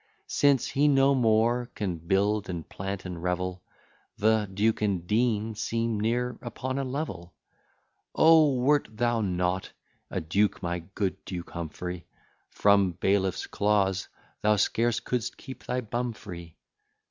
Since he no more can build, and plant, and revel, The duke and dean seem near upon a level. O! wert thou not a duke, my good Duke Humphry, From bailiffs claws thou scarce couldst keep thy bum free.